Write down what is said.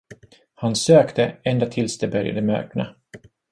Han sökte, ända tills det började mörkna.